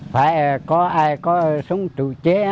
phải có ai có súng tự chế